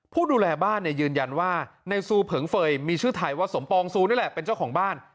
ผู้ดูแลบ้านเนี่ยยืนยันว่าในซูเผิงเฟย์มีชื่อไทยว่าสมปองซูนี่แหละเป็นเจ้าของบ้าน